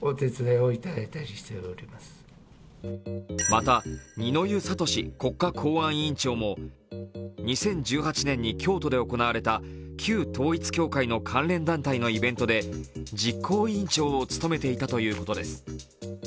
また二之湯智国家公安委員長も２０１８年に京都で行われた旧統一教会の関連団体のイベントで実行委員長を務めていたということです。